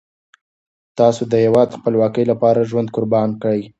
تاسو د هیواد د خپلواکۍ لپاره خپل ژوند قربان کړئ.